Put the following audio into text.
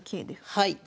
はい。